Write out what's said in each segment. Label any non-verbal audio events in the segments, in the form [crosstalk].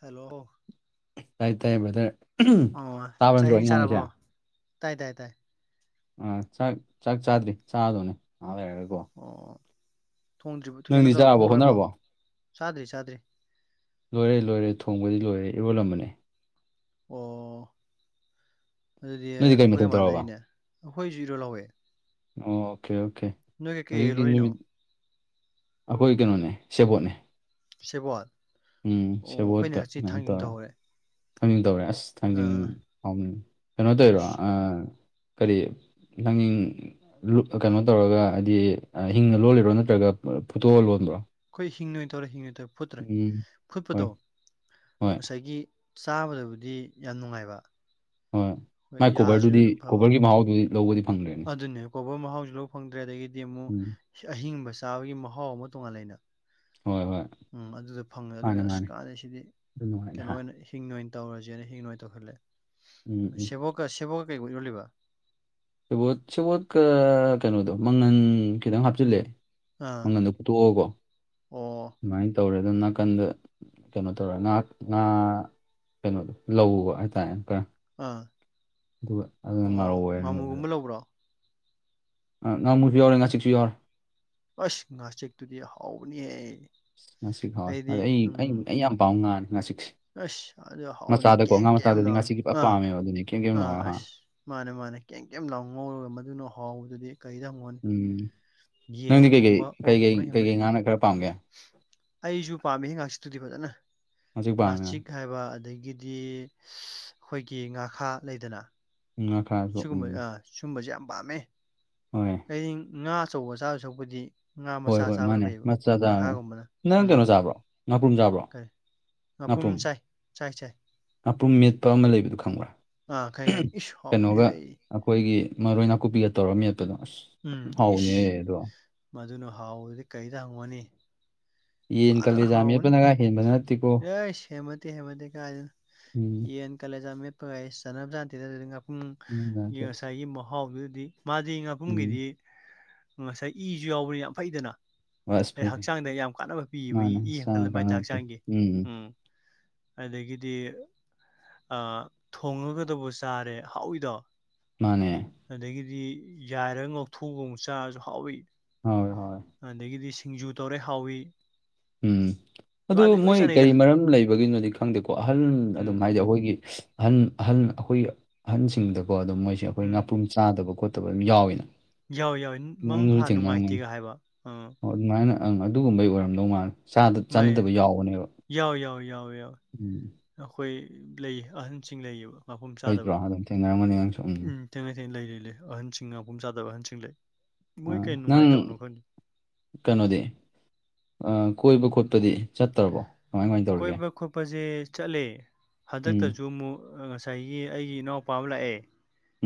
hello ꯇꯥꯢ ꯇꯥꯢ brother ꯇꯥꯕ ꯅꯠꯇ꯭ꯔꯣ ꯑꯩ ꯉꯥꯡꯉꯤꯖꯦ ꯇꯥꯢ ꯇꯥꯢ ꯇꯥꯢ ꯑꯥ ꯆꯥꯛ ꯆꯥꯛ ꯆꯥꯗ꯭ꯔꯤ ꯆꯥꯔꯗꯣꯢꯅꯦ ꯉꯍꯥꯛ ꯂꯩꯔꯒꯀꯣ ꯑꯣ ꯊꯣꯡꯗ꯭ꯔꯤꯕ ꯀꯩꯅꯣ ꯅꯪꯗꯤ ꯇꯧ ꯆꯥꯔꯕꯣ ꯊꯣꯡ ꯂꯣꯢꯔꯕꯣ ꯍꯣꯠꯅꯔꯕꯣ ꯆꯥꯗ꯭ꯔꯤ ꯆꯥꯗ꯭ꯔꯤ ꯂꯣꯢꯔꯦ ꯂꯣꯢꯔꯦ ꯊꯣꯡꯕꯗꯤ ꯂꯣꯢꯔꯦ ꯏꯔꯣꯜꯂꯝꯕꯅꯦ ꯑꯣ ꯑꯗꯨꯗꯤ ꯅꯣꯏꯗꯤ ꯀꯩ ꯃꯊꯦꯜ ꯑꯩꯈꯣꯢꯒ ꯇꯧꯔꯕ ꯃꯥꯟꯅꯔꯤꯅꯦ ꯑꯩꯈꯣꯢꯖꯨ ꯏꯔꯣꯜꯍꯧꯋꯦ ꯑꯣꯀꯦ ꯑꯣꯀꯦ ꯀꯩ ꯀꯩ ꯍꯧꯖꯤꯛꯇꯤ ꯂꯣꯜꯂꯤꯅꯣ ꯅꯨꯃꯤꯠ ꯑꯩꯈꯣꯢ ꯀꯩꯅꯣꯅꯦ ꯁꯦꯕꯣꯠꯅꯦ ꯁꯦꯕꯣꯠ ꯎꯝ ꯑꯣ ꯑꯩꯈꯣꯏꯅ ꯁꯦꯕꯣꯠꯇ ꯉꯁꯤ ꯑꯃꯨꯛ ꯊꯥꯡꯖꯤꯡ ꯇꯧꯔꯦ ꯇꯧꯍꯧꯔꯦ ꯊꯥꯡꯖꯤꯡ ꯇꯧꯔꯦ ꯑꯁ ꯊꯥꯡꯖꯤꯡ ꯑꯥ ꯍꯥꯎꯕꯅꯤ ꯀꯩꯅꯣ ꯇꯧꯏꯔꯣ ꯏꯁ ꯑꯥ ꯀꯔꯤ ꯅꯏꯤꯡ ꯑꯂꯨ ꯀꯩꯅꯣ ꯇꯧꯔꯒ ꯍꯥꯢꯗꯤ ꯍꯤꯡꯅ ꯂꯣꯜꯂꯤꯕꯔꯣ ꯅꯠꯇ꯭ꯔꯒ ꯐꯨꯠꯇꯣꯛꯑ ꯂꯣꯟꯕ꯭ꯔꯣ ꯈꯣꯢ ꯍꯤꯡꯅ ꯑꯣꯢꯅ ꯇꯧꯔꯦ ꯍꯤꯡꯅ ꯑꯣꯢꯅ ꯇꯧꯔꯦ ꯐꯨꯠꯇ꯭ꯔꯦ ꯎꯝ ꯍꯣꯏ ꯐꯨꯠꯄꯗꯣ ꯍꯣꯏ ꯉꯁꯥꯢꯒꯤ ꯆꯥꯕꯗꯕꯨꯗꯤ ꯌꯥꯝ ꯅꯨꯡꯉꯥꯢꯕ ꯍꯣꯢ ꯃꯥꯢ ꯀꯣꯕꯔꯗꯨꯗꯤ ꯐꯕ ꯀꯣꯕꯔꯒꯤ ꯃꯍꯥꯎꯗꯨꯗꯤ ꯂꯧꯕꯗꯤ ꯐꯪꯗ꯭ꯔꯦꯅꯦ ꯑꯗꯨꯅꯦ ꯀꯣꯕꯔ ꯃꯍꯥꯎꯖꯨ ꯐꯪꯗ꯭ꯔꯦ ꯑꯗꯒꯤꯗꯤ ꯑꯃꯨꯛ ꯎꯝ ꯑꯍꯤꯡꯕ ꯆꯥꯕꯒꯤ ꯃꯍꯥꯎ ꯑꯃ ꯇꯣꯡꯉꯥꯟ ꯂꯩꯅ ꯑ ꯍꯣꯢ ꯍꯣꯢ ꯎꯝ ꯑꯗꯨꯗ ꯐꯪꯉꯦ ꯑꯗꯨꯅ ꯑꯁ ꯀꯥꯟꯅꯩꯁꯤꯗꯤ ꯑꯗꯨ ꯅꯨꯡꯉꯥꯏꯅ ꯀꯩꯅꯣ ꯍꯥ ꯑꯣꯢꯅ ꯍꯤꯡꯅ ꯑꯣꯏꯅ ꯇꯧꯔꯁꯦꯅ ꯍꯤꯡꯅ ꯑꯣꯏꯅ ꯇꯧꯁꯜꯂꯦ ꯎꯝ ꯎꯝ ꯁꯦꯕꯣꯛꯀ ꯁꯦꯕꯣꯛꯀ ꯀꯩꯒ ꯏꯔꯣꯜꯂꯤꯕ ꯁꯦꯕꯣꯠ ꯁꯦꯕꯣꯠ ꯀ꯭ꯔ ꯀꯩꯅꯣꯗꯣ ꯃꯪꯒꯟ ꯈꯤꯇꯪ ꯍꯥꯞꯆꯤꯜꯂꯦ ꯑꯥ ꯃꯪꯒꯟꯗꯣ ꯄꯨꯊꯣꯛꯑꯣꯀꯣ ꯑꯣ ꯑꯗꯨꯃꯥꯏꯟ ꯇꯧꯔꯒ ꯅꯥꯀꯟꯗ ꯀꯩꯅꯣ ꯇꯧꯔ ꯉꯥ ꯉꯥ ꯀꯩꯅꯣꯗꯣ ꯂꯧꯕ ꯍꯥꯏꯇꯥꯔꯦ ꯈꯔ ꯑꯥ ꯑꯗꯨꯒ ꯑꯗꯨꯅ ꯑꯣ ꯉꯥꯔꯧ ꯑꯣꯏꯔꯦ ꯉꯥꯃꯨꯒꯨꯝꯕ ꯂꯧꯕꯔꯣ ꯑ ꯉꯥꯃꯨꯖꯨ ꯌꯥꯎꯔꯦ ꯉꯥꯆꯤꯛꯁꯨ ꯌꯥꯎꯔꯦ ꯑꯁ ꯉꯥꯆꯤꯛꯇꯨꯗꯤ ꯍꯥꯎꯕꯅꯤꯍꯦ ꯉꯥꯆꯤꯛ ꯍꯥꯎꯌꯦ ꯑꯩꯗꯤ ꯑꯗꯩ ꯑꯩ ꯎꯝ ꯑꯩ ꯌꯥꯝ ꯄꯥꯝ ꯉꯥꯅꯤ ꯉꯥꯆꯤꯛꯁꯦ ꯑꯁ ꯑꯗꯨꯗꯤ ꯍꯥꯎꯕꯅꯤ ꯃꯆꯥꯗꯀꯣ ꯀꯦꯝ ꯉꯥ ꯀꯦꯝ ꯃꯆꯥꯗꯗꯤ ꯂꯥꯎꯅ ꯉꯥꯆꯤꯛ ꯏꯄꯥꯝ ꯑꯥ ꯄꯥꯝꯃꯦꯕ ꯑꯗꯨꯅꯤ ꯀꯦꯝ ꯀꯦꯝ ꯑꯥ ꯂꯥꯎꯔ ꯍꯥ ꯑꯁ ꯃꯥꯅꯦ ꯃꯥꯅꯦ ꯀꯦꯝ ꯀꯦꯝ ꯂꯥꯎꯅ ꯉꯧꯔꯒ ꯃꯗꯨꯅ ꯍꯥꯎꯕꯗꯨꯗꯤ ꯀꯔꯤꯗ ꯍꯪꯉꯨ ꯃꯣꯟ ꯎꯝ ꯌꯦꯟ ꯊꯣꯡꯕ ꯑꯣꯛ ꯊꯣꯡꯕꯅ ꯍꯦꯟꯕꯣꯠꯗꯦ ꯅꯪꯅ ꯈꯔ ꯄꯥꯝꯒꯦ ꯑꯩꯁꯨ ꯄꯥꯝꯃꯦꯍꯦ ꯉꯥꯆꯤꯛꯇꯨꯗꯤ ꯐꯖꯅ ꯍꯧꯖꯤꯛ ꯄꯥꯝꯃꯦ ꯉꯥꯆꯤꯛ ꯍꯥꯏꯕ ꯑꯗꯒꯤꯗꯤ ꯑꯩꯈꯣꯏꯒꯤ ꯉꯥꯈꯥ ꯂꯩꯗꯅ ꯎꯝ ꯉꯥꯈ ꯈꯔꯁꯨ ꯁꯤꯒꯨꯝꯕꯩ ꯑꯥ ꯁꯤꯒꯨꯝꯕꯁꯦ ꯌꯥꯝ ꯄꯥꯝꯃꯦ ꯍꯣꯏ ꯍꯌꯦꯡ ꯉꯥ ꯑꯆꯧꯕ ꯆꯥꯥꯗꯣꯏ ꯁꯔꯨꯛꯄꯨꯗꯤ ꯉꯥ ꯍꯣꯏ ꯃꯆꯥ ꯍꯣꯏ ꯆꯥꯕꯅ ꯃꯥꯅꯦ ꯐꯩ ꯑꯕ ꯃꯆꯥ ꯆꯥꯔꯦ ꯉꯥꯈꯥꯒꯨꯝꯕꯅ ꯅꯪ ꯎꯝ ꯀꯩꯅꯣ ꯆꯥꯕ꯭ꯔꯣ ꯉꯥꯄ꯭ꯔꯨꯝ ꯆꯥꯕ꯭ꯔꯣ ꯀꯔꯤ ꯉꯥꯄꯨꯝ ꯉꯥꯄ꯭ꯔꯨꯝ ꯆꯥꯏ ꯆꯥꯏ ꯆꯥꯏ ꯉꯥꯄ꯭ꯔꯨꯝ ꯃꯦꯠꯄ ꯑꯃ ꯂꯩꯕꯗꯣ ꯈꯪꯕ꯭ꯔꯥ ꯑꯥ ꯈꯪꯉꯦ ꯈꯪꯉꯦ ꯏꯁ ꯀꯩꯅꯣꯒ ꯍꯥꯎꯕꯅꯤꯍꯦ ꯑꯈꯣꯏꯒꯤ ꯃꯔꯣꯏ ꯅꯥꯀꯨꯞꯄꯤꯒ ꯇꯧꯔ ꯃꯦꯠꯄꯗꯣ ꯑꯁ ꯎꯝ ꯍꯥꯎꯕꯅꯤꯍꯦ ꯏꯁ ꯑꯗꯣ ꯃꯗꯨꯅ ꯍꯥꯎꯕꯗꯨꯗꯤ ꯀꯩꯗ ꯍꯪꯉꯨꯅꯤ ꯌꯦꯟ ꯐꯥꯖꯅ ꯀꯂꯦꯖꯥ ꯍꯥꯎꯕꯅꯤ ꯃꯦꯠꯄꯅꯒ ꯍꯦꯟꯕ ꯅꯠꯇꯦꯀꯣ ꯑꯦꯁ ꯍꯦꯃꯟꯇꯦ ꯍꯦꯃꯟꯇꯦ ꯀꯥꯏꯗꯩꯅꯣ ꯎꯝ ꯌꯦꯟ ꯀꯂꯦꯖꯥ ꯃꯦꯠ ꯑꯩꯁ ꯆꯟꯅꯕ ꯖꯥꯠ ꯅꯠꯇꯦꯗ ꯑꯗꯨꯗꯤ ꯉꯥꯄꯨꯝ ꯎꯝ ꯒꯤ ꯉꯁꯥꯏꯒꯤ ꯃꯍꯥꯎꯗꯨꯗꯗꯤ ꯃꯥꯗꯤ ꯉꯥꯄꯨꯝꯒꯤꯗꯤ ꯉꯁꯥꯏ ꯏꯁꯨ ꯌꯥꯎꯕꯅꯤꯅ ꯌꯥꯝ ꯐꯩꯗꯅ ꯑꯁ ꯑꯩ ꯐꯩ ꯐꯩ ꯍꯛꯆꯥꯡꯗ ꯌꯥꯝ ꯀꯥꯟꯅꯕ ꯄꯤꯕ ꯏ ꯃꯥꯅꯦ ꯏ ꯍꯛꯆꯥꯡ ꯍꯦꯟꯀꯠꯍꯟꯕ ꯍꯥꯏꯇꯥꯔꯦ ꯀꯥꯟꯅꯕ ꯄꯤ ꯍꯛꯆꯥꯡꯒꯤ ꯎꯝ ꯎꯝ ꯑꯗꯒꯤꯗꯤ ꯑ ꯊꯣꯡꯉꯒꯗꯕꯨ ꯆꯥꯔꯦ ꯍꯥꯎꯋꯤꯗꯣ ꯃꯥꯅꯦ ꯑꯗꯒꯤꯗꯤ ꯌꯥꯏꯔ ꯉꯧꯊꯣꯛꯑꯒ ꯑꯃꯨꯛ ꯆꯥꯔꯖꯨ ꯍꯥꯎꯋꯤ ꯍꯥꯎꯋꯦ ꯍꯥꯎꯋꯦ ꯑꯗꯒꯤꯗꯤ ꯁꯤ ꯁꯤꯡꯖꯨ ꯇꯧꯔꯦ ꯍꯥꯎꯋꯤ ꯎꯝ ꯑꯗꯨ ꯃꯥꯗꯤ ꯂꯣꯏ ꯃꯣꯏ ꯀꯔꯤ ꯆꯥꯅꯩꯗ ꯃꯔꯝ ꯂꯩꯕꯒꯤꯅꯣꯗꯤ ꯈꯪꯗꯦꯀꯣ ꯑꯍꯜ ꯑꯗꯨꯝ ꯎꯝ ꯍꯥꯏꯗꯤ ꯑꯩꯈꯣꯏꯒꯤ ꯑꯍꯟ ꯑꯍꯟ ꯑꯩꯈꯣꯏꯒꯤ ꯑꯍꯟꯁꯤꯡꯗꯀꯣ ꯑꯗꯨꯝ ꯃꯣꯏꯁꯦ ꯑꯩꯈꯣꯏ ꯉꯥꯄ꯭ꯔꯨꯝ ꯆꯥꯗꯕ ꯈꯣꯠꯇꯕ ꯑꯗꯨꯝ ꯌꯥꯎꯋꯤꯅ ꯌꯥꯎꯌꯦ ꯌꯥꯎꯌꯦ ꯃꯪ ꯅꯪꯁꯨ ꯍꯥ ꯊꯦꯡꯅꯔꯝꯒꯅꯤ ꯅꯨꯡꯉꯥꯏꯇꯦꯒ ꯍꯥꯏꯕ ꯑꯥ ꯑꯣ ꯑꯗꯨꯃꯥꯏꯅ ꯑꯪ ꯑꯗꯨꯒꯨꯝꯕꯩ ꯑꯣꯏꯔꯝꯗꯧ ꯃꯥꯜꯂꯦ ꯆꯥꯗ ꯃꯥꯏ ꯆꯥꯅꯗꯕ ꯌꯥꯎꯕꯅꯦꯕ ꯎꯝ ꯑꯈꯣꯏ ꯂꯩ ꯑꯍꯟꯁꯤꯡ ꯂꯩꯌꯦꯕ ꯉꯥꯄꯨꯝ ꯆꯥꯗꯕ ꯂꯩꯩꯇ꯭ꯔꯣ ꯑꯗꯨꯝ ꯊꯦꯡꯅꯔꯝꯒꯅꯤ ꯅꯪꯁꯨ ꯎꯝ ꯊꯦꯡꯅꯩ ꯊꯦꯡꯅꯩ ꯂꯩ ꯂꯩ ꯂꯩ ꯑꯍꯟꯁꯤꯡ ꯉꯥꯄꯨꯝ ꯆꯥꯗꯕ ꯑꯍꯟꯁꯤꯡ ꯂꯩ ꯃꯣꯏ ꯑꯥ ꯀꯩ ꯅꯪ ꯅꯨꯡꯉꯥꯏꯇꯕꯅꯣ ꯈꯪꯗꯦ ꯀꯩꯅꯣꯗꯤ ꯑꯥ ꯀꯣꯏꯕ ꯈꯣꯠꯄꯗꯤ ꯆꯠꯇ꯭ꯔꯕꯣ ꯀꯃꯥꯏ ꯀꯃꯥꯏ ꯇꯧꯔꯤꯒꯦ ꯀꯣꯏꯕ ꯈꯣꯠꯄꯖꯦ ꯆꯠꯂꯦ ꯎꯝ ꯍꯟꯗꯛꯇꯖꯨ ꯑꯃꯨꯛ ꯑ ꯉꯁꯥꯏ ꯁꯥꯏꯒꯤ ꯑꯩꯒꯤ ꯏꯅꯥꯎꯄꯥ ꯑꯃ ꯂꯥꯛꯑꯦ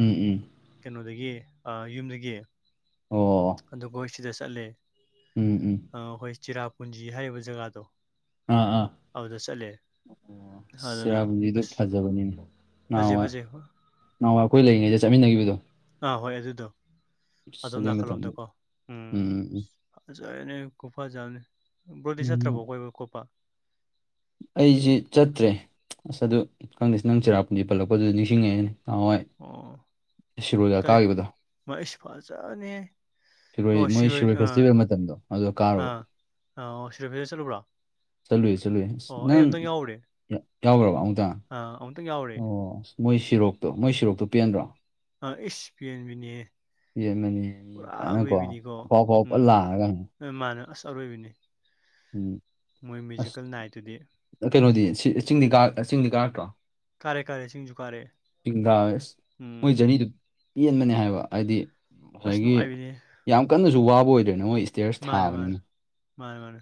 ꯎꯝ ꯎꯝ ꯀꯩꯅꯣꯗꯒꯤ ꯑꯥ ꯌꯨꯝꯗꯒꯤ ꯑꯣ ꯑꯗꯨ ꯒꯣꯏ ꯁꯤꯗ ꯆꯠꯂꯦ ꯎꯝ ꯎꯝ ꯑ ꯍꯣꯏ ꯆꯤꯔꯥꯄꯨꯟꯖꯤ ꯍꯥꯏꯔꯤꯕ ꯖꯒꯥꯗꯣ ꯑꯧꯗ ꯆꯠꯂꯦ ꯑꯣ ꯑꯗꯨꯅ ꯆꯤꯔꯥꯄꯨꯟꯖꯤꯗꯣ ꯑꯁ ꯐꯖꯕꯅꯤꯅꯦ ꯐꯖꯩ ꯅꯍꯥꯋꯥꯏ ꯐꯖꯩ ꯅꯍꯥꯋꯥꯏ ꯑꯈꯣꯏ ꯂꯩꯔꯤꯉꯩꯗ ꯆꯠꯃꯤꯟꯅꯒꯤꯕꯗꯣ ꯑꯥ ꯍꯣꯏ ꯑꯗꯨꯗꯣ [unintelligible] ꯀꯜꯂꯣꯝꯗꯀꯣ ꯎꯝ ꯐꯖꯔꯦꯅꯦ ꯈꯨꯐꯖꯝꯅꯤ ꯕ꯭ꯔꯣꯗꯤ ꯆꯠꯇ꯭ꯔꯕꯣ ꯀꯣꯏꯕ ꯈꯣꯠꯄ ꯑꯩꯖꯤ ꯆꯠꯇ꯭ꯔꯦ ꯑꯁ ꯑꯗꯨ ꯈꯪꯗꯦꯁ ꯅꯪ ꯆꯤꯔꯄꯨꯟꯖꯤ ꯄꯜꯂꯛꯄꯗꯨꯗ ꯅꯤꯡꯁꯤꯡꯉꯛꯏꯅꯦ ꯅꯍꯥꯋꯥꯏ ꯑꯣ ꯀꯩ ꯃꯩꯁ ꯐꯖꯅꯤ ꯑꯣ ꯃꯣꯏ ꯁꯤꯔꯣꯏ ꯑꯥ ꯐꯦꯁꯇꯤꯚꯦꯜ ꯃꯇꯝꯗꯣ ꯑꯗꯨꯗ ꯀꯥꯔꯨꯕ ꯑꯥ ꯑꯥꯑꯣ ꯁꯤꯔꯣꯏ ꯐꯦꯁꯠ ꯆꯠꯂꯨꯕ꯭ꯔꯣ ꯆꯠꯂꯨꯏꯌꯦ ꯆꯠꯂꯨꯏ ꯑꯁ ꯑꯣ ꯑꯩ ꯅꯪ ꯑꯃꯨꯛꯇꯪ ꯌꯥꯎꯔꯨꯔꯦ ꯌꯥ ꯌꯥꯎꯒ꯭ꯔꯕꯣ ꯑꯃꯨꯛꯇꯪ ꯑꯥ ꯑꯃꯨꯛꯇꯪ ꯌꯥꯎꯔꯦ ꯑꯣ ꯃꯣꯏ ꯁꯤꯔꯣꯛꯇꯣ ꯃꯣꯏ ꯁꯤꯔꯣꯛꯇꯣ ꯄꯦꯟꯗ꯭ꯔꯣ ꯑꯥ ꯏꯁ ꯄꯦꯟꯕꯤꯅꯤꯍꯦ ꯄꯦꯟꯕꯅꯤꯍꯦ ꯃꯤ ꯐꯖꯅꯀꯣ ꯑꯐꯥꯎ ꯑꯐꯥꯎꯕ ꯐꯟ ꯂꯥꯛꯑꯒ ꯍꯣꯏ ꯃꯥꯅꯦ ꯑꯁ ꯑꯔꯣꯏꯕꯤꯅꯤ ꯎꯝ ꯃꯣꯏ ꯑꯁ ꯃ꯭ꯌꯨꯖꯤꯀꯦꯜ ꯅꯥꯏꯠꯇꯨꯗꯤ ꯀꯩꯅꯣꯗꯤ ꯁꯤ ꯆꯤꯡꯗꯤ ꯀꯥꯔꯛ ꯆꯤꯡꯗꯤ ꯀꯥꯔꯛꯇ꯭ꯔꯣ ꯀꯥꯔꯦ ꯀꯥꯔꯦ ꯆꯤꯡꯁꯨ ꯀꯥꯔꯦ ꯗꯤꯡꯗ ꯑꯁ ꯃꯣꯏ ꯎꯝ ꯖꯔꯅꯤꯗꯣ ꯄꯦꯟꯕꯅꯦ ꯍꯥꯏꯕ ꯍꯥꯏꯗꯤ ꯑꯁ ꯉꯁꯥꯏꯒꯤ ꯅꯨꯡꯉꯥꯏꯕꯤꯅꯦ ꯌꯥꯝ ꯀꯟꯅꯖꯨ ꯋꯥꯕ ꯑꯣꯏꯗ꯭ꯔꯦꯅ ꯃꯣꯏ ꯏꯁ꯭ꯇꯌꯦꯌꯔꯁ ꯃꯥꯅꯦ ꯃꯥꯅꯦ ꯊꯥꯕꯅꯤꯅ ꯃꯥꯅꯦ ꯃꯥꯅꯦ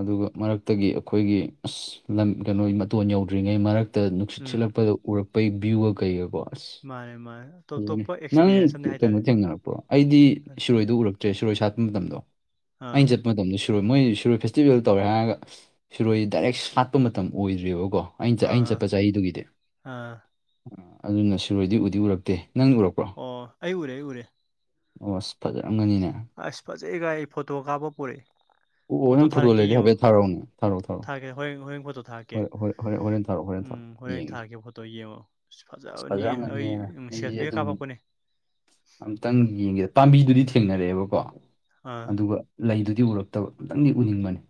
ꯑꯗꯨꯒ ꯃꯔꯛꯇꯒꯤ ꯑꯈꯣꯏꯒꯤ ꯑꯁ ꯂꯝ ꯀꯩꯅꯣ ꯃꯇꯣꯟ ꯌꯧꯗ꯭ꯔꯤꯉꯩ ꯃꯔꯛ ꯇ ꯅꯨꯡꯁꯤꯠ ꯎꯝ ꯁꯤꯠꯂꯛꯄꯗ ꯎꯔꯛꯄꯩ ꯚ꯭ꯌꯨꯒ ꯀꯩꯒꯀꯣ ꯑꯁ ꯃꯥꯅꯦ ꯃꯥꯅꯦ ꯑꯇꯣꯞ ꯑꯗꯨꯅꯦ ꯑꯇꯣꯞꯄ ꯅꯪ ꯑꯦꯛꯁꯄꯤꯔꯤꯌꯦꯟꯁ ꯑꯃꯅꯦ ꯀꯩꯅꯣ ꯍꯥꯏꯇꯥꯔꯦ ꯊꯦꯡꯅꯔꯛꯄ꯭ꯔꯣ ꯑꯩꯗꯤ ꯁꯤꯔꯣꯏꯗꯣ ꯎꯔꯛꯇ꯭ꯔꯦ ꯁꯤꯔꯣꯏ ꯁꯥꯠꯄ ꯃꯇꯝꯗꯣ ꯑꯥ ꯑꯩꯅ ꯆꯠ ꯃꯇꯝꯗ ꯁꯤꯔꯣꯏ ꯃꯣꯏ ꯁꯤꯔꯣꯏ ꯐꯦꯁꯇꯤꯚꯦꯜ ꯇꯧꯔꯦ ꯍꯥꯏꯔꯒ ꯑꯁ ꯁꯤꯔꯣꯏ ꯗꯥꯏꯔꯦꯛ ꯁꯥꯠꯄ ꯃꯇꯝ ꯑꯣꯏꯗ꯭ꯔꯤꯕꯀꯣ ꯑꯩꯟ ꯆꯠ ꯑꯩꯟ ꯆꯠꯄ ꯑꯥ ꯆꯍꯤꯗꯨꯒꯤꯗꯤ ꯑꯥ ꯑ ꯑꯗꯨꯅ ꯁꯤꯔꯣꯏꯗꯤ ꯎꯗꯤ ꯎꯔꯛꯇꯦ ꯅꯪ ꯎꯔꯛ ꯑꯣ ꯑꯩ ꯎꯔꯦ ꯑꯩ ꯎꯔꯦ ꯑꯣ ꯑꯁ ꯐꯖꯔꯝꯒꯅꯤꯅꯦ ꯑꯩꯁ ꯐꯖꯩꯒꯥꯏ ꯐꯣꯇꯣ ꯀꯥꯞꯄ ꯄꯣꯔꯛꯑꯦ ꯑꯣ ꯅꯪ ꯐꯣꯇꯣ ꯂꯩꯔꯗꯤ ꯍꯥꯏꯐꯦꯠ ꯊꯥꯔꯛꯎꯅꯦ ꯊꯔꯛꯑꯣ ꯊꯔꯛꯑꯣ ꯔꯣ ꯍꯣꯏ ꯍꯣꯏꯔꯦꯟ ꯐꯣꯇꯣ ꯊꯥꯔꯛꯀꯦ ꯊꯥꯔꯛꯑꯣ ꯍꯣꯔꯦꯟ ꯎꯝ ꯊꯥꯔꯛꯑꯣ ꯍꯣꯔꯦꯟ ꯌꯦꯡꯒꯦ ꯊꯥꯔꯛꯀꯦ ꯐꯣꯇꯣ ꯌꯦꯡꯉꯣ ꯑꯁ ꯐꯖꯕꯅꯤ ꯑꯩ ꯐꯖꯔꯝꯒꯅꯤꯅ ꯎꯝ ꯑꯩꯁꯦ ꯁꯦꯜꯐꯤꯒ ꯑꯗꯨꯝ ꯀꯥꯞꯄꯛꯄꯅꯦ ꯑꯝꯇꯪ ꯌꯦꯡꯒꯦ ꯄꯥꯝꯕꯤꯗꯨꯗꯤ ꯊꯦꯡꯅꯔꯛꯑꯦꯕꯀꯣ ꯑꯥ ꯑꯗꯨꯒ ꯂꯩꯗꯨꯗꯤ ꯎꯔꯛꯇꯕ ꯑꯝꯇꯪꯗꯤ ꯎꯅꯤꯡꯕꯅꯦ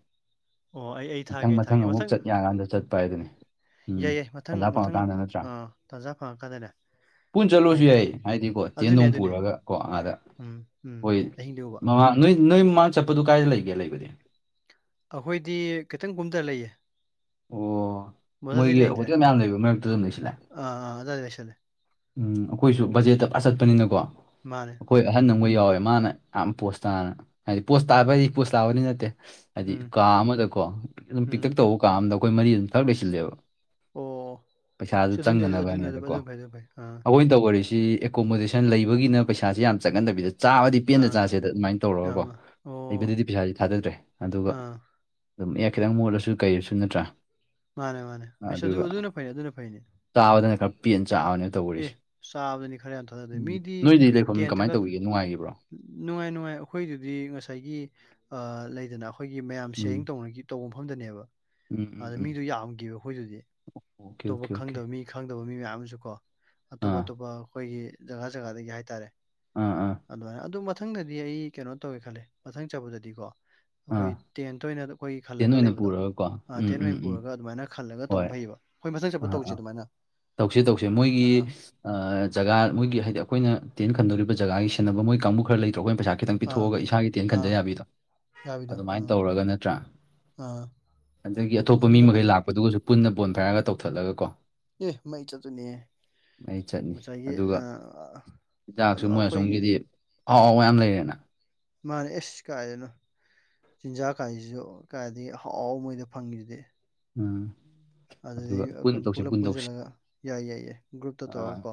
ꯑꯣ ꯑꯩ ꯑꯩ ꯊꯥꯔꯛꯒꯦ ꯑꯩ ꯊꯥꯒꯦ ꯃꯊꯪ ꯆꯠ ꯌꯥꯀꯥꯟꯗ ꯆꯠꯄ ꯍꯥꯏꯗꯨꯅꯤ ꯌꯥꯏ ꯎꯝ ꯌꯥꯏ ꯃꯊꯪ ꯑꯣꯖꯥ ꯃꯊꯪ ꯐꯪꯉꯀꯥꯟꯗ ꯅꯠꯇ꯭ꯔꯥ ꯑꯥ ꯇꯥꯖꯥ ꯐꯪꯉꯀꯥꯟꯗꯅꯦ ꯄꯨꯟ ꯆꯠꯂꯨꯔꯁꯨ ꯍꯥꯏꯗꯤ ꯌꯥꯏꯌꯦ ꯍꯥꯏꯗꯤꯀꯣ ꯇꯦꯟꯠ ꯑꯗꯨꯅꯦ ꯅꯨꯡ ꯑꯗꯨꯅꯦ ꯄꯨꯔꯒ ꯀꯣ ꯑꯥꯗ ꯎꯝ ꯎꯝ ꯍꯣꯏ ꯑꯍꯤꯡ ꯂꯦꯛꯎꯕ ꯃꯃꯥꯡ ꯅꯣꯏ ꯅꯣꯏ ꯃꯃꯥꯡ ꯆꯠꯄꯗꯨ ꯀꯥꯏꯗ ꯂꯩꯒꯦ ꯂꯩꯕꯗꯤ ꯑꯩꯈꯣꯏꯗꯤ ꯈꯤꯇꯪ ꯀꯨꯝꯊꯔꯒ ꯂꯩꯌꯦ ꯑꯣ ꯃꯊꯛꯇꯗꯤ ꯃꯣꯏꯒꯤ ꯂꯩꯇ꯭ꯔꯦ ꯍꯣꯇꯦꯜ ꯃꯌꯥꯝ ꯂꯩꯕ ꯃꯔꯛꯇꯨꯗ ꯂꯩ ꯁꯤꯜꯂꯦ ꯑꯥ ꯑꯥ ꯑꯗꯥꯏꯗ ꯂꯩꯁꯜꯂꯦ ꯎꯝ ꯑꯩꯈꯣꯏꯁꯨ ꯕꯖꯦꯠꯇ ꯇꯥꯖꯅꯥ ꯆꯠꯄꯅꯤꯅꯀꯣ ꯃꯥꯅꯦ ꯑꯩꯈꯣꯏ ꯎꯝ ꯑꯍꯟꯅ ꯃꯣꯏ ꯌꯥꯋꯦ ꯃꯥꯅ ꯌꯥꯝ ꯄꯣꯁ ꯇꯥꯅ ꯍꯥꯏꯗꯤ ꯄꯣꯥꯁ ꯇꯥꯕ ꯄꯣꯁ ꯇꯥꯕꯗꯤ ꯅꯠꯇꯦ ꯍꯥꯏꯗꯤ ꯎꯝ ꯀꯥ ꯑꯃꯗꯀꯣ ꯑꯗꯨꯝ ꯎꯝ ꯄꯤꯛꯇꯛ ꯇꯧꯕ ꯀꯥ ꯑꯃꯗ ꯑꯩꯈꯣꯏ ꯃꯔꯤ ꯑꯗꯨꯝ ꯊꯛ ꯂꯩꯁꯤꯜꯂꯦꯕ ꯑꯣ ꯄꯩꯁꯥꯗꯨ ꯁꯤ ꯑꯗꯨꯅꯤ ꯑꯗꯨ- ꯑꯗꯨꯅꯤ ꯑꯗꯨ ꯆꯪꯗꯅꯕꯅꯦꯕꯀꯣ ꯑꯗꯨꯅ ꯐꯩ ꯑꯗꯨꯅ ꯐꯩ ꯑꯥ ꯑꯩꯈꯣꯏꯅ ꯇꯧꯔꯤꯁꯤ ꯁꯤ ꯑꯦꯀꯣꯃꯣꯗꯦꯁꯟ ꯂꯩꯕꯒꯤꯅ ꯄꯩꯁꯥꯁꯤ ꯌꯥꯝ ꯆꯪꯍꯟꯗꯕꯤꯗ ꯆꯥꯕꯗꯤ ꯄꯦꯟꯅ ꯑꯥ ꯆꯥꯁꯦꯗ ꯑꯗꯨꯃꯥꯏꯅ ꯇꯧꯔꯒꯀꯣ ꯑꯥ ꯑꯣ ꯂꯩꯕꯗꯗꯤ ꯄꯩꯁꯥꯁꯤ ꯊꯥꯗꯗ꯭ꯔꯦ ꯑꯗꯨꯒ ꯑꯥ ꯑꯗꯨꯝ ꯑꯦ ꯈꯤꯇꯪ ꯃꯣꯠꯂꯁꯨ ꯀꯩꯔꯁꯨ ꯅꯠꯇ꯭ꯔꯥ ꯃꯥꯅꯦ ꯃꯥꯅꯦ ꯑꯩꯁꯨ ꯑꯗꯨꯒ ꯑꯗꯨꯅ ꯑꯗꯨꯅ ꯐꯩꯅꯦ ꯑꯗꯨꯅ ꯐꯩꯅꯦ ꯆꯥꯕꯗꯅ ꯈꯔ ꯄꯦꯟꯅ ꯆꯥꯕꯅꯦ ꯑꯦ ꯇꯧꯔꯤꯁꯦ ꯆꯥꯕꯗꯅꯤ ꯈꯔ ꯌꯥꯝ ꯊꯥꯗꯗꯦ ꯃꯤꯗꯤ ꯅꯣꯏꯗꯤ ꯂꯩ ꯐꯝ ꯇꯦꯟ ꯀꯃꯥꯏꯅ ꯊꯥꯒꯠ ꯇꯧꯈꯤꯒꯦ ꯅꯨꯡꯉꯥꯏꯈꯤꯕ꯭ꯔꯣ ꯅꯨꯡꯉꯥꯏ ꯅꯨꯡꯉꯥꯏ ꯑꯩꯈꯣꯏꯗꯨꯗꯤ ꯉꯁꯥꯏꯒꯤ ꯑ ꯂꯩꯗꯅ ꯑꯩꯈꯣꯏꯒꯤ ꯃꯌꯥꯝ ꯎꯝ ꯁꯤꯌꯔꯤꯡ ꯇꯧꯅꯒꯤ ꯇꯧꯕ ꯃꯐꯝꯗꯅꯦꯕ ꯎꯝ ꯎꯝ ꯑꯗ ꯎꯝ ꯃꯤꯗꯨ ꯌꯥꯝꯈꯤꯕ ꯑꯩꯈꯣꯏꯗꯨꯗꯤ ꯑꯣꯀꯦ ꯑꯇꯣꯞꯄ ꯑꯣꯀꯦ ꯑꯣꯀꯦ ꯈꯪꯗꯕ ꯃꯤ ꯈꯪꯗꯕ ꯃꯤ ꯃꯌꯥꯝ ꯑꯃꯁꯨ ꯀꯣ ꯑꯇꯣꯞ ꯑꯥ ꯑꯇꯣꯞꯄ ꯑꯩꯈꯣꯏꯒꯤ ꯖꯒꯥ ꯖꯒꯥꯗꯒꯤ ꯍꯥꯏꯇꯥꯔꯦ ꯑꯥ ꯑꯥ ꯑꯗꯨꯃꯥꯏꯅ ꯑꯗꯨ ꯃꯊꯪꯗꯗꯤ ꯑꯩ ꯀꯩꯅꯣ ꯇꯧꯒꯦ ꯈꯜꯂꯦ ꯃꯊꯪ ꯆꯠꯄꯗꯗꯤꯀꯣ ꯑꯩꯈꯣꯏ ꯑꯥ ꯇꯦꯟꯇ ꯑꯣꯏꯅ ꯑꯩꯈꯣꯏꯒꯤ ꯇꯦꯟ ꯈꯜꯂꯒ ꯑꯣꯏꯅ ꯂꯩꯕꯗꯣ ꯄꯨꯔꯒꯀꯣ ꯎꯝ ꯇꯦꯟ ꯎꯝ ꯑꯣꯏꯅ ꯎꯝ ꯄꯨꯔꯒ ꯑꯗꯨꯃꯥꯏꯅ ꯈꯜꯂꯒ ꯍꯣꯏ ꯇꯧꯕ ꯐꯩꯌꯦꯕ ꯑꯩꯈꯣꯢ ꯃꯊꯪ ꯆꯠꯄꯗ ꯑꯥ ꯇꯧꯁꯦ ꯑꯥ ꯑꯗꯨꯃꯥꯏꯅ ꯑꯥ ꯑꯥ ꯖꯒꯥ ꯃꯣꯏꯒꯤ ꯍꯥꯏꯗꯤ ꯑꯩꯈꯣꯏꯅ ꯇꯦꯟ ꯈꯟꯗꯣꯔꯤꯕ ꯖꯒꯥꯒꯤ ꯁꯦꯟꯅꯕ ꯃꯣꯏ ꯀꯥꯡꯕꯨ ꯈꯔ ꯂꯩꯇ꯭ꯔꯣ ꯑꯩꯈꯣꯏꯅ ꯄꯩꯁꯥ ꯈꯤꯇꯪ ꯑꯥ ꯄꯤꯊꯣꯛꯑꯒ ꯏꯁꯥꯒꯤ ꯇꯦꯟ ꯑꯥ ꯈꯟꯖ ꯌꯥꯕꯤꯗꯣ ꯌꯥꯕꯤꯗꯣ ꯑꯗꯨꯃꯥꯏꯅ ꯑꯥ ꯇꯧꯔꯒ ꯅꯠꯇ꯭ꯔꯥ ꯑꯥ ꯑꯗꯒꯤ ꯑꯇꯣꯞꯄ ꯃꯤ ꯑꯗꯨꯅ ꯃꯈꯩ ꯐꯩꯌꯦꯕ ꯂꯥꯛꯄꯗꯨꯒꯁꯨ ꯄꯨꯟꯅ ꯕꯣꯟ ꯐꯥꯏꯔꯒ ꯇꯧꯊꯠꯂꯒ ꯀꯣ ꯑꯦ ꯃꯩ ꯆꯠꯇꯣꯏꯅꯤ ꯍꯦ ꯑꯩ ꯆꯠꯅꯤ ꯉꯁꯥꯏꯒꯤ ꯑꯗꯨꯒ ꯑꯥ ꯆꯤꯟꯖꯥꯛꯁꯨ ꯑꯗꯣ ꯃꯣꯏ ꯑꯩꯈꯣꯏꯒꯤ ꯑꯁꯣꯝꯒꯤꯗꯤ ꯑꯍꯥꯎ ꯃꯌꯥꯝ ꯂꯩꯔꯦꯅ ꯃꯥꯅꯦ ꯑꯦꯁ ꯀꯥꯏꯗꯩꯩꯅꯣ ꯆꯤꯟꯖꯥꯛ ꯀꯥꯏꯁꯤꯁꯨ ꯀꯥꯏꯗꯒꯤ ꯑꯍꯥꯎ ꯑꯍꯥꯎꯕ ꯃꯣꯏꯗ ꯐꯪꯉꯤꯁꯤꯗꯤ ꯎꯝ ꯑꯗꯨꯒ ꯑꯗꯨꯗꯗꯤ ꯄꯨꯟ ꯑꯩꯈꯣꯏ ꯇꯧꯁꯤ ꯄꯨꯂꯞ ꯄꯨꯟ ꯇꯧꯁꯤ ꯄꯨꯟꯁꯤꯜꯂꯒ ꯌꯥꯏ ꯌꯥꯏ ꯌꯥꯏ ꯒ꯭ꯔꯨꯞꯇ ꯑ, ꯇꯧꯔꯒ ꯀꯣ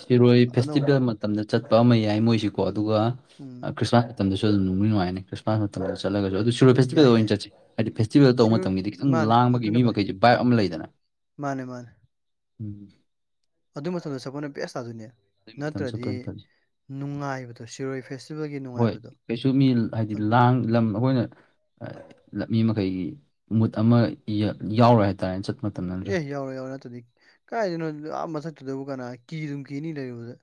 ꯁꯤꯔꯣꯏ ꯐꯦꯁꯇꯤꯚꯦꯜ ꯃꯇꯝꯗ ꯆꯠꯄ ꯑꯃ ꯌꯥꯏ ꯃꯣꯏꯁꯤꯀꯣ ꯑꯗꯨꯒ ꯎꯝ ꯈ꯭ꯔꯤꯁꯃꯥꯁ ꯃꯇꯝꯗꯁꯨ ꯑꯗꯨꯝ ꯅꯨꯡꯗꯤ ꯅꯨꯡꯉꯥꯏꯅꯤ ꯈ꯭ꯔꯤꯁꯃꯥꯁ ꯃꯇꯝꯗ ꯆꯠꯂꯒꯁꯨ ꯑꯗꯨ ꯁꯤꯔꯣꯏ ꯐꯦꯁꯇꯤꯚꯦꯜꯗ ꯌꯥꯏ ꯌꯥꯏ ꯑꯣꯏꯅ ꯆꯠꯁꯤ ꯍꯥꯏꯗꯤ ꯐꯦꯁꯇꯤꯚꯦꯜ ꯁꯤ ꯇꯧꯕ ꯃꯇꯝꯒꯤꯗꯤ ꯈꯤꯇꯪ ꯃꯥꯅꯦ ꯂꯥꯡꯕꯒꯤ ꯑꯗꯨꯅ ꯃꯤ ꯐꯩ ꯃꯈꯩꯁꯦ ꯕꯥꯏꯞ ꯑꯃ ꯂꯩꯗꯅ ꯃꯥꯅꯦ ꯃꯥꯅꯦ ꯎꯝ ꯑꯗꯨ ꯃꯊꯛꯇꯁꯨ ꯑꯩꯈꯣꯏꯅ ꯕꯦꯁ ꯇꯥꯗꯣꯏꯅꯦ ꯑꯗꯨꯒꯤ ꯃꯇꯝꯗ ꯅꯠꯇ꯭ꯔꯗꯤ ꯆꯠꯄꯥꯅ ꯐꯥꯅꯤ ꯅꯨꯡꯉꯥꯏꯕꯗꯣ ꯁꯤꯔꯣꯏ ꯐꯦꯁꯇꯤꯚꯦꯜꯒꯤ ꯍꯣꯏ ꯅꯨꯡꯉꯥꯏꯕꯗꯣ ꯀꯩꯁꯨ ꯃꯤ ꯍꯥꯏꯗꯤ ꯑꯗꯨ ꯂꯥꯡ ꯂꯝ ꯑꯩꯈꯣꯏꯅ ꯃꯤ ꯃꯈꯩꯒꯤ ꯃꯨꯠ ꯑꯃ ꯌꯥ ꯌꯥꯎꯔꯣꯏ ꯍꯥꯏꯇꯥꯔꯦꯅꯦ ꯆꯠꯄ ꯃꯇꯝꯗ ꯅꯠꯇ꯭ꯔꯥ ꯌꯥꯎꯔꯦ ꯌꯥꯎꯔꯦ ꯅꯠꯇ꯭ꯔꯗꯤ ꯀꯥꯏꯗꯩꯩꯅꯣ ꯑꯥ ꯃꯊꯛꯇꯨꯗꯕꯨ ꯀꯅꯥ ꯀꯤꯗꯨꯝ ꯀꯤꯅꯤ ꯂꯩꯔꯨꯕꯗ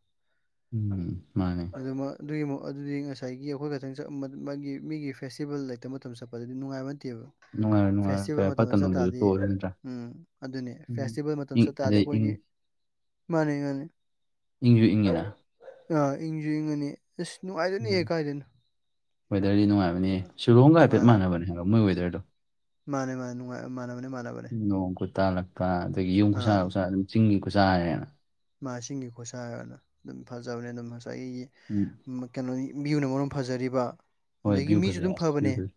ꯎꯝ ꯃꯥꯅꯦ ꯗꯨꯃ ꯑꯗꯨꯒꯤ ꯃꯨꯛ ꯑꯗꯨꯗꯤ ꯉꯁꯥꯏꯒꯤ ꯑꯩꯈꯣꯏ ꯈꯛꯇꯪ ꯃꯥꯒꯤ ꯃꯤꯒꯤ ꯐꯦꯁꯇꯤꯚꯦꯜ ꯂꯩꯇꯕ ꯃꯇꯝ ꯆꯠ ꯄꯗꯨꯗꯤ ꯅꯨꯡꯉꯥꯏꯕ ꯅꯠꯇꯦꯕ ꯅꯨꯡꯉꯥꯏꯔꯣꯏ ꯅꯨꯡꯉꯥꯏꯔꯣꯏ ꯐꯦꯁꯇꯤꯚꯦꯜ ꯀꯩ ꯐꯠꯇ ꯃꯇꯝꯗ ꯆꯠ ꯅꯨꯡꯗꯁꯨ ꯇꯥꯔꯗꯤ ꯇꯣꯛꯑꯁꯤ ꯅꯠꯇ꯭ꯔꯥ ꯎꯝ ꯑꯗꯨꯅꯤ ꯎꯝ ꯐꯦꯁꯇꯤꯚꯦꯜ ꯃꯇꯝꯗ ꯏꯪ ꯆꯠ ꯇꯥꯔꯗꯤ ꯑꯗꯩ ꯏꯪ ꯑꯩꯈꯣꯏꯒꯤ ꯃꯥꯅꯦ ꯃꯥꯅꯦ ꯏꯪꯁꯨ ꯏꯪꯉꯦ ꯑꯥ ꯏꯪꯁꯨ ꯏꯪꯉꯅꯤ ꯏꯁ ꯅꯨꯡꯉꯥꯏ ꯎꯝ ꯋꯦꯗꯔꯗꯤ ꯅꯨꯡꯉꯥꯏꯕꯅꯦ ꯁꯤꯂꯣꯡꯒ ꯍꯥꯏꯐꯦꯠ ꯃꯥꯅꯦ ꯃꯥꯟꯅꯕꯅꯦ ꯍꯥꯏꯕ ꯃꯣꯏ ꯋꯦꯗꯔꯗꯣ ꯃꯥꯅꯦ ꯃꯥꯅꯦꯅꯨꯡꯉꯥꯏ ꯃꯥꯟꯅꯕꯅꯦ ꯃꯥꯟꯅꯕꯅꯦ ꯅꯣꯡ ꯈꯨꯨꯠ ꯇꯥꯜꯂꯛꯇꯥ ꯑꯗꯒꯤ ꯌꯨꯝ ꯈꯨꯁꯥ ꯑꯥ ꯂꯥꯛꯁꯥ ꯑꯗꯨꯝ ꯆꯤꯡꯒꯤ ꯈꯨꯁꯥ ꯍꯥꯏꯔꯦꯅ ꯃꯥ ꯆꯤꯡꯒꯤ ꯈꯨꯠꯁꯥꯅ ꯑꯗꯨꯝ ꯐꯖꯕꯅꯦ ꯑꯗꯨꯝ ꯉꯁꯥꯏꯒꯤ ꯎꯝ ꯑꯃꯥ ꯀꯩꯅꯣꯌꯤ ꯃꯤꯅꯥ ꯃꯔꯣꯟ ꯑꯝ ꯐꯖꯔꯤꯕ ꯍꯣꯏ ꯑꯗꯒꯤ ꯚ꯭ꯌꯨ ꯃꯤꯁꯨ ꯐꯖꯩ ꯑꯗꯨꯝ ꯑꯁ ꯚ꯭ꯌꯨ ꯐꯕꯅꯦ ꯐꯖꯩ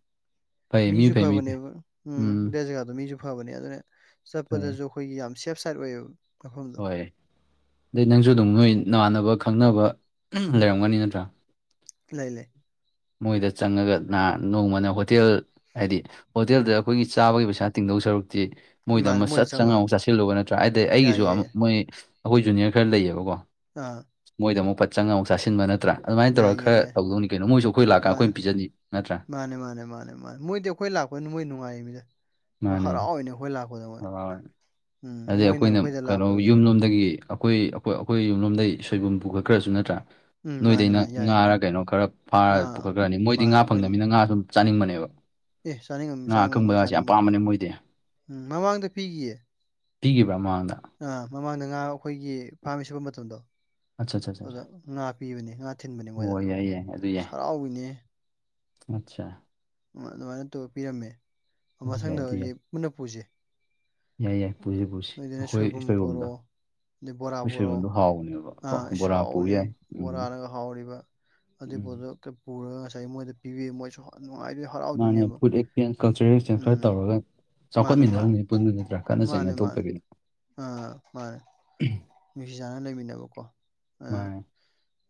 ꯐꯩ ꯃꯤ ꯃꯤꯁꯨ ꯐꯩ ꯃꯤ ꯐꯩ ꯐꯕꯅꯦꯕ ꯎꯝ ꯗ꯭ꯋꯥꯏ ꯖꯒꯥꯗꯣ ꯃꯤꯁꯨ ꯐꯕꯅꯦ ꯑꯗꯨꯅ ꯐꯩ ꯆꯠꯄꯗꯁꯨ ꯑꯩꯈꯣꯏꯒꯤ ꯌꯥꯝ ꯁꯦꯞ ꯁꯥꯏꯠ ꯑꯣꯏꯌꯦꯕ ꯃꯐꯝ ꯍꯣꯏ ꯑꯗꯩ ꯅꯪꯁꯨ ꯑꯗꯨꯝ ꯅꯣꯏ ꯅꯥꯥꯃꯥꯟꯅꯕ ꯈꯪꯅꯕ ꯂꯩꯔꯝꯒꯅꯤ ꯅꯠꯇ꯭ꯔꯥ ꯂꯩ ꯂꯩ ꯃꯣꯏꯗ ꯆꯪꯉꯒ ꯅꯍꯥꯟ ꯅꯣꯡꯃꯅ ꯍꯣꯇꯦꯜ ꯍꯥꯏꯗꯤ ꯍꯣꯇꯦꯜꯗ ꯑꯩꯈꯣꯏꯒꯤ ꯆꯥꯕꯒꯤ ꯄꯩꯁꯥ ꯇꯤꯡꯗꯧ ꯁꯔꯨꯛꯇꯤ ꯃꯣꯏꯗ ꯃꯥꯅꯦ ꯑꯃ ꯁꯠ ꯆꯪꯉ ꯆꯪꯉꯣ ꯑꯃꯣ ꯆꯥꯁꯤꯜꯂꯨꯕ ꯅꯠꯇ꯭ꯔꯥ ꯍꯥꯏꯗꯤ ꯌꯥꯏ ꯑꯩꯒꯤꯁꯨ ꯌꯥꯏ ꯑꯃꯨꯛ ꯌꯥꯏ ꯃꯣꯏ ꯑꯩꯈꯣꯏ ꯖꯨꯅꯤꯌꯔ ꯈꯔ ꯂꯩꯌꯦꯕꯀꯣ ꯑꯥ ꯃꯣꯏꯗ ꯑꯃꯨꯛ ꯐꯠ ꯆꯪꯒ ꯑꯃꯨꯛ ꯆꯥꯁꯤꯟꯕ ꯅꯠꯇ꯭ꯔ ꯑꯗꯨꯃꯥꯏꯅ ꯌꯥꯏ ꯇꯧꯔꯒ ꯌꯥꯏ ꯈꯔ ꯌꯥꯏ ꯇꯧꯗꯧꯅꯤ ꯀꯩꯅꯣ ꯃꯣꯏꯁꯨ ꯑꯩꯈꯣꯏ ꯂꯥꯛꯀ ꯃꯥꯅꯦ ꯑꯩꯈꯣꯏꯅ ꯄꯤꯖꯅꯤ ꯅꯠꯇ꯭ꯔꯥ ꯃꯥꯅꯦ ꯃꯥꯅꯦ ꯃꯥꯅꯦ ꯃꯥꯅꯦ ꯃꯣꯏꯗꯤ ꯑꯩꯈꯣꯏ ꯂꯥꯛꯄꯅꯤꯗ ꯃꯣꯏ ꯅꯨꯡꯉꯥꯏ ꯔꯤꯃꯤꯗ ꯃꯣꯏ ꯃꯥꯅꯦ ꯍꯔꯥꯎꯏꯔꯤꯅꯦ ꯑꯩꯈꯣꯏ ꯂꯥꯛꯄꯗ ꯃꯣꯏ ꯍꯣꯏ ꯎꯝ ꯃꯣꯏꯅ ꯑꯩꯈꯣꯏꯗ ꯂꯥꯛꯄꯗꯁꯨ ꯍꯟꯗꯛꯒꯤ ꯑꯩꯈꯣꯏ ꯑꯩꯈꯣ ꯑꯩꯈꯣꯏ ꯌꯨꯝꯂꯣꯝꯗꯩ ꯁꯣꯏꯕꯨꯝ ꯄꯨꯈꯠ ꯈꯔꯁꯨ ꯅꯠꯇ꯭ꯔꯥ ꯎꯝ ꯃꯥꯅꯦ ꯅꯣꯏꯗꯩꯅ ꯃꯥꯅꯦ ꯌꯥꯏ ꯉꯥꯔ ꯀꯩꯅꯣ ꯈꯔ ꯐꯥꯔ ꯑꯥ ꯄꯨꯈꯠꯈ꯭ꯔꯅꯤ ꯃꯣꯏꯗꯤ ꯉꯥ ꯃꯥꯅꯦ ꯑꯩꯈꯣꯏ ꯐꯪꯗꯃꯤꯅ ꯉꯥꯁꯨ ꯑꯗꯨꯨꯝ ꯆꯥꯅꯤꯡꯕꯅꯦꯕ ꯑꯦ ꯆꯥꯅꯤꯡꯉꯝꯅꯤ ꯉꯥ ꯆꯥꯅꯤꯡꯕꯅꯦ ꯃꯣꯏ ꯑꯀꯪꯕꯒꯁꯦ ꯌꯥꯝ ꯆꯥꯅꯤꯡ ꯄꯥꯝꯕꯅꯦ ꯃꯣꯏꯗꯤ ꯄꯤꯈꯤꯌꯦ ꯄꯤꯒꯤꯕ꯭ꯔꯥ ꯃꯃꯥꯡꯗ ꯑꯥ ꯃꯃꯥꯡꯗ ꯉꯥ ꯑꯩꯈꯣꯏꯒꯤ ꯐꯥꯝ ꯁꯤꯠꯄ ꯃꯇꯝꯗꯣ ꯑꯠꯆꯥ ꯑꯠꯆꯥ ꯑꯗꯨꯗ ꯑꯠꯆꯥ ꯉꯥ ꯄꯤꯕꯅꯤ ꯉꯥ ꯊꯤꯟꯕꯅꯤ ꯃꯣꯏꯗ ꯑꯣ ꯌꯥꯏ ꯁꯥꯎꯕꯤꯅꯦ ꯅꯠꯇꯔ ꯍꯣꯏ ꯑꯗꯨꯃꯥꯏꯅ ꯇꯧ ꯄꯤꯔꯝꯃꯦ ꯑꯗꯨ ꯌꯥꯏ ꯑꯗꯨ ꯃꯊꯪꯗꯗꯤ ꯌꯥꯏ ꯄꯨꯟꯅ ꯄꯨꯁꯦ ꯌꯥꯏ ꯌꯥꯏ ꯑꯣ ꯄꯨꯁꯤ ꯄꯨꯁꯤ ꯅꯣꯏꯗꯤꯅ ꯑꯩꯈꯣꯏ ꯁꯣꯏꯕꯨꯝ ꯁꯣꯏꯕꯨꯝꯗꯣ ꯄꯣꯔꯣ ꯑꯗꯩ ꯕꯣꯔꯥ ꯑꯩꯈꯣꯏ ꯄꯣꯔꯣ ꯁꯣꯏꯕꯨꯝꯗꯣ ꯍꯥꯎꯕꯅꯦꯕ ꯍ ꯀꯣ ꯏꯁ ꯕꯣꯔꯥ ꯄꯨ ꯍꯥꯎꯕꯤꯅꯤ ꯌꯥꯏ ꯎꯝ ꯕꯣꯔꯥꯅꯒ ꯍꯥꯎꯔꯤꯕ ꯑꯗꯨꯏ ꯎꯝ ꯄꯣꯠꯇꯣ ꯄꯨꯔꯒ ꯉꯁꯥꯏ ꯃꯣꯏꯗ ꯄꯤꯕꯤꯌꯨ ꯃꯣꯏꯁꯨ ꯍ ꯅꯨꯡꯉꯥꯏ [unintelligible] ꯃꯥꯅꯦ ꯐꯨꯗ ꯑꯦꯛꯆꯦꯟꯖ ꯀꯜꯆꯔꯦꯜ ꯑꯦꯛꯁꯆꯦꯟꯖ ꯈꯔ ꯎꯝ ꯇꯧꯔꯒ ꯃꯥꯅꯦ ꯃꯥꯅꯦ ꯆꯥꯎꯈꯠꯃꯤꯟꯅꯔ ꯄꯨꯟꯕ ꯅꯠꯇ꯭ꯔꯥ ꯈꯠꯅ ꯃꯥꯅꯦ ꯆꯩꯅ ꯃꯥꯅꯦ ꯊꯣꯛꯇꯕꯤ ꯑꯥ ꯃꯥꯅꯦ ꯅꯨꯡꯁꯤ ꯆꯥꯟꯅ ꯂꯩꯃꯤꯟꯅꯕꯀꯣ ꯃꯥꯅꯦ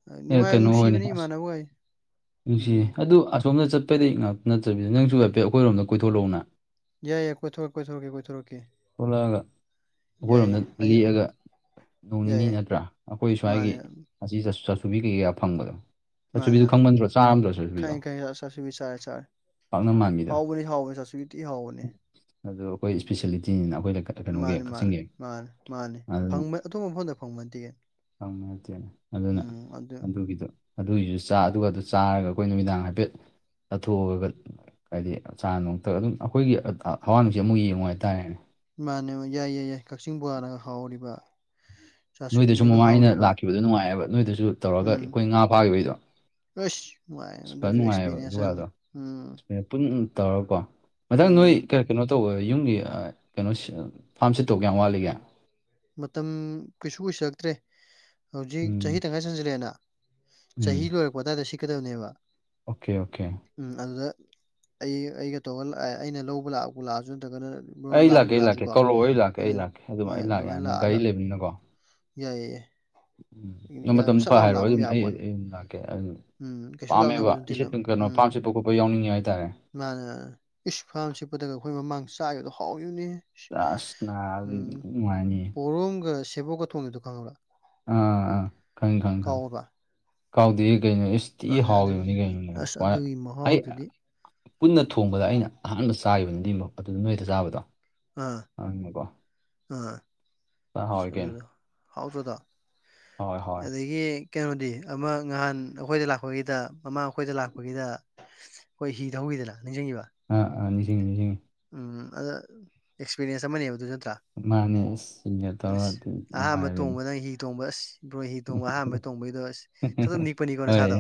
ꯑ ꯑꯦ ꯅꯨꯡꯉꯥꯏꯕ ꯀꯩꯅꯣ ꯍꯣꯏꯅꯦ ꯅꯨꯡꯁꯤꯕꯅꯤ ꯑꯁ ꯏꯃꯥꯟꯅꯕ ꯍꯣꯏ ꯅꯨꯡꯁꯤꯌꯦ ꯑꯗꯨ ꯑꯁꯣꯝꯗ ꯆꯠꯄꯗꯤ ꯉꯥꯛ ꯅꯠꯇꯕꯤꯗ ꯅꯪꯁꯨ ꯍꯥꯏꯐꯦꯠ ꯑꯩꯈꯣꯏꯔꯣꯝꯗ ꯀꯣꯏꯊꯣꯛꯔꯛꯎꯅ ꯌꯥꯏ ꯌꯥ ꯀꯣꯏꯊꯣꯔꯛ ꯀꯣꯏꯊꯣꯔꯛꯀꯦ ꯀꯣꯏꯊꯣꯔꯛꯀꯦ ꯊꯣꯛꯂꯛꯑꯒ ꯌꯥꯏ ꯌꯥꯏ ꯑꯩ ꯅꯣꯡꯅꯤꯅꯤ ꯌꯥꯏꯌꯦ ꯅꯠꯇ꯭ꯔꯥ ꯑꯩꯈꯣꯏ ꯃꯥꯅꯦ ꯁ꯭ꯋꯥꯏꯒꯤ ꯑꯁꯤ ꯆꯥꯁꯨꯕꯤ ꯀꯩ ꯀꯥ ꯐꯪꯕꯗꯣ ꯃꯥꯅꯦ ꯆꯥꯁꯨꯕꯤꯗꯣ ꯃꯥꯅꯦ ꯈꯪꯃꯟꯗ꯭ꯔꯣ ꯆꯥꯔꯝꯗ꯭ꯔꯣ ꯆꯥꯁꯨꯕꯤꯗꯣ ꯈꯪꯏ ꯈꯪꯏ ꯆꯥꯁꯨꯕꯤ ꯆꯔꯦ ꯆꯔꯦ ꯄꯥꯛꯅꯝ ꯃꯥꯟꯕꯤ ꯍꯥꯎꯕꯅꯤ ꯍꯥꯎꯕꯅꯤ ꯆꯥꯁꯨꯕꯤ ꯊꯤ ꯍꯥꯎꯕꯅꯦ ꯑꯗꯣ ꯑꯩꯈꯣꯏ ꯏꯁꯄꯤ ꯁꯦꯂꯤꯇꯤꯅꯤꯅ ꯑꯩꯈꯣꯏꯗ ꯀ ꯃꯥꯅꯤ ꯃꯥꯅꯤ ꯃꯥꯅꯤ ꯃꯥꯅꯤ ꯐꯪꯕ ꯑꯇꯣꯞꯄ ꯃꯐꯝꯗ ꯐꯪꯕ ꯅꯠꯇꯦ ꯐꯪꯕ ꯅꯠꯇꯦꯅ ꯑꯗꯨꯅ ꯑꯗꯨ ꯑꯗꯨꯒꯤꯗꯣ ꯑꯗꯨꯒꯤꯁꯨ ꯆꯥ ꯑꯗꯨꯒ ꯑꯗꯨ ꯆꯥꯔꯒ ꯑꯩꯈꯣꯏ ꯅꯨꯃꯤꯗꯥꯡ ꯍꯥꯏꯐꯦꯠ ꯆꯠꯊꯣꯛꯑꯒ ꯍꯥꯏꯗꯤ ꯆꯥ ꯅꯨꯡ ꯊꯥꯛꯑ ꯑꯗꯨꯝ ꯑꯩꯈꯣꯏꯒꯤ ꯍꯋꯥ ꯅꯨꯡꯁꯤ ꯑꯝꯕꯨꯛ ꯌꯦꯡꯉꯣꯏ ꯍꯥꯏꯇꯥꯔꯦꯅꯦ ꯃꯥꯟꯅꯦ ꯌꯥꯏ ꯌꯥꯏ ꯌꯥꯏ ꯀꯛꯆꯤꯡ ꯕꯣꯋꯥꯅꯒ ꯍꯥꯎꯔꯤꯕ ꯅꯣꯏꯗꯁꯨ ꯆꯥꯁꯨꯕꯤꯅꯒ ꯃꯃꯥꯡ ꯑꯩꯅ ꯍꯥꯎꯔꯤꯕ ꯂꯥꯛꯈꯤꯕꯗꯣ ꯅꯨꯡꯉꯥꯏꯑꯕ ꯅꯣꯏꯗꯁꯨ ꯇꯧꯔꯒ ꯎꯝ ꯑꯩꯈꯣꯏ ꯉꯥ ꯐꯥꯒꯤꯕꯩꯗꯣ ꯑꯁ ꯅꯨꯡꯉꯥꯏ ꯑꯗꯨꯁꯨ ꯑꯦꯛꯁꯄꯤꯔꯤꯌꯦꯟꯁ ꯑꯝꯅꯤ ꯑꯗꯨꯒꯗꯣ ꯎꯝ ꯄꯨꯟ ꯇꯧꯔꯒꯀꯣ ꯃꯊꯪ ꯅꯣꯏ ꯎꯝ ꯀꯩꯅꯣ ꯇꯧꯕ ꯌꯨꯝꯒꯤ ꯑ ꯀꯩꯅꯣ ꯐꯥꯝ ꯁꯤꯠꯇꯧ ꯀꯌꯥꯝ ꯋꯥꯠꯂꯤꯒꯦ ꯃꯇꯝ ꯀꯩꯁꯨ ꯀꯨꯏꯁꯜꯂꯛꯇ꯭ꯔꯦ ꯍꯧꯖꯤꯛ ꯎꯝ ꯆꯍꯤ ꯇꯪꯉꯥꯏ ꯆꯥꯟꯁꯤꯜꯂꯛꯑꯦꯅ ꯎꯝ ꯆꯍꯤ ꯂꯣꯏꯔꯛꯄ ꯑꯗꯥꯏꯗ ꯁꯤꯠꯀꯗꯕꯅꯦꯕ ꯑꯣꯀꯦ ꯑꯣꯀꯦ ꯎꯝ ꯑꯗꯨꯗ ꯑꯩ ꯑꯩꯒ ꯇꯧꯒ ꯑꯩꯅ ꯂꯧꯕ ꯂꯥꯛꯄꯨ ꯂꯥꯛꯑꯖꯨ ꯅꯠꯇ꯭ꯔꯒꯅ ꯕ꯭ꯔꯣꯅ ꯑꯩ ꯂꯥꯛꯄꯨ ꯂꯥꯛꯀꯦ ꯑꯩ ꯂꯥꯛꯀꯦ ꯂꯥꯛꯑꯁꯨꯀꯣ ꯀꯧꯔꯛꯑꯣ ꯑꯩ ꯂꯥꯛꯀꯦ ꯑꯗꯨ ꯑꯩ ꯂꯥꯛꯀꯦ ꯑꯗꯨꯝ ꯍꯣꯏ ꯑꯩ ꯂꯥꯛ ꯑꯗꯨꯃꯥꯏꯅ ꯌꯥꯅꯤ ꯂꯥꯛꯑꯒ ꯒꯥꯔꯤ ꯂꯩꯕꯅꯤꯅꯀꯣ ꯌꯥꯏꯌꯦ ꯅꯪ ꯃꯇꯝꯗ ꯁꯠ ꯐ ꯂꯥꯎꯅ ꯍꯥꯏꯔꯛꯑꯣ ꯂꯥꯛꯄ ꯑꯃ ꯑꯗꯨꯝ ꯑꯩ ꯌꯥꯕꯣꯠꯅꯤ ꯑꯩ ꯑꯗꯨꯝ ꯂꯥꯛꯀꯦ ꯑꯗꯨꯝ ꯎꯝ ꯀꯩꯁꯨ ꯄꯥꯝꯃꯦꯕ ꯂꯥꯞꯅꯕꯁꯨ ꯅꯠꯇꯦ ꯂꯝ ꯏꯁꯤꯠꯄ ꯀꯩꯅꯣ ꯐꯥꯝ ꯁꯤꯠꯄ ꯈꯣꯠꯄ ꯌꯥꯎꯅꯤꯡꯉꯦ ꯍꯥꯏꯇꯥꯔꯦ ꯃꯥꯅꯦ ꯃꯥꯅꯦ ꯏꯁ ꯐꯥꯝ ꯁꯤꯠꯄꯗꯒ ꯑꯩꯈꯣꯏ ꯃꯃꯥꯡ ꯆꯥꯒꯤꯕꯗꯣ ꯍꯥꯎꯒꯤꯕꯅꯦꯍꯦ ꯑꯁ ꯅꯥ ꯎꯝ ꯅꯨꯡꯉꯥꯏꯅꯤꯌꯦ ꯄꯣꯔꯣꯝꯒ ꯁꯦꯕꯣꯛꯀ ꯊꯣꯡꯒꯤꯕꯗꯣ ꯈꯪꯉꯕ꯭ꯔꯥ ꯑꯥ ꯑꯥ ꯑꯥ ꯈꯪꯉꯤ ꯈꯪ ꯈꯪ ꯀꯥꯎꯔꯕ ꯀꯥꯎꯗꯤꯌꯦ ꯀꯩꯅꯣ ꯏꯁ ꯊꯤ ꯑꯗꯨ ꯑꯗꯨ ꯍꯥꯎꯒꯤꯕꯅꯤ ꯀꯩꯅꯣ ꯑꯁ ꯑꯗꯨꯒꯤ [unintelligible] ꯑꯩ ꯃꯍꯥꯎꯗꯨꯗꯤ ꯄꯨꯟꯅ ꯊꯣꯡꯕꯗ ꯑꯩꯅ ꯑꯍꯥꯟꯕ ꯆꯥꯒꯤꯕꯅꯤ ꯑꯗꯨꯗ ꯅꯣꯏꯗ ꯆꯥꯕꯗꯣ ꯑꯥ ꯑꯅꯦꯀꯣ ꯑꯥ ꯀꯩꯅꯣ ꯑꯗꯨꯗ ꯍꯥꯎꯇ꯭ꯔꯣ ꯑꯗꯣ ꯍꯥꯎꯋꯦ ꯍꯥꯎꯋꯦ ꯑꯗꯒꯤ ꯀꯩꯅꯣꯗꯤ ꯑꯃ ꯉꯍꯥꯟ ꯑꯈꯣꯏꯗ ꯂꯥꯛꯄꯒꯤꯗ ꯃꯃꯥꯡ ꯑꯈꯣꯏꯗ ꯂꯥꯛꯄꯒꯤꯗ ꯑꯩꯍꯣꯏ ꯍꯤ ꯊꯧꯒꯤꯗꯅ ꯅꯤꯡꯁꯤꯡꯉꯤꯕ ꯑꯥ ꯑꯥ ꯅꯤꯡꯁꯤꯡꯉꯤ ꯅꯤꯡꯁꯤꯡꯉꯤ ꯎꯝ ꯑꯗ ꯑꯦꯛꯁꯄꯤꯔꯤꯌꯦꯟꯁ ꯑꯃꯅꯦꯕ ꯑꯗꯨꯖꯨ ꯅꯠꯇ꯭ꯔꯥ ꯃꯥꯅꯦ ꯑꯁ ꯁꯤꯡꯒ ꯇꯧꯔ ꯑꯁ ꯑꯗꯨ ꯑꯍꯥꯟꯕ ꯅꯨꯡꯉꯥꯏꯕꯅꯤ ꯇꯣꯡꯕ ꯅꯪ ꯍꯤ ꯇꯣꯡꯕ ꯑꯁ ꯕ꯭ꯔꯣ ꯍꯤ ꯇꯣꯡꯕ ꯑꯍꯥꯟꯕ ꯇꯣꯡꯕꯩꯗꯣ ꯑꯁ ꯊꯊꯥꯛ ꯅꯤꯛꯄꯅꯤꯀꯣ ꯍꯣꯏ ꯅꯁꯥꯗꯣ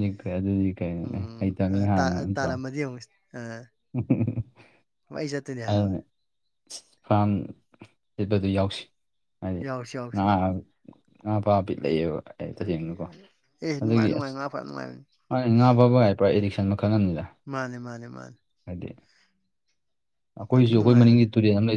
ꯂꯤꯛꯈ꯭ꯔꯦ ꯑꯗꯨꯗꯤ ꯀꯩꯅꯣꯅꯦ ꯎꯝ ꯍꯩꯇꯕꯅꯤ ꯑꯗ ꯇꯥ ꯍꯥꯟꯅ ꯅꯠꯇ꯭ꯔꯣ ꯇꯥꯔꯝꯃꯗꯤ ꯌꯦꯡꯉꯣ ꯑꯥ [unintelligible] ꯃꯩ ꯆꯠ ꯑꯗꯨꯅ ꯐꯥꯝ ꯁꯤꯠꯄꯗꯨ ꯌꯥꯎꯁꯤ ꯍꯥꯏꯗꯤ ꯌꯥꯎꯁꯤ ꯉꯥ ꯌꯥꯎꯁꯤ ꯉꯥ ꯐꯥꯕ ꯕꯤꯠ ꯂꯩꯌꯦꯕ ꯑꯩ ꯇꯁꯦꯡꯅꯀꯣ ꯑꯦ ꯑꯗꯨꯒꯤ ꯅꯨꯡꯉꯥꯏ ꯑꯁ ꯅꯨꯡꯉꯥꯏ ꯉꯥ ꯐꯥ ꯅꯨꯡꯉꯥꯏꯕꯅꯦ ꯃꯥꯅꯦ ꯉꯥ ꯐꯥꯕ ꯍꯥꯏ ꯄꯨꯔ ꯑꯦꯗꯤꯛꯁꯟ ꯃꯈꯜ ꯑꯃꯅꯤꯗ ꯃꯥꯅꯦ ꯃꯥꯅꯦ ꯃꯥꯅꯦ ꯍꯥꯏꯗꯤ ꯌꯥꯝ ꯊꯤ ꯑꯈꯣꯏꯁꯨ ꯑꯈꯣꯏ ꯃꯅꯤꯡꯒꯤ ꯅꯨꯡꯉꯥꯏꯕꯅꯤ ꯇꯨꯔꯦꯟ ꯑꯝ ꯂꯩ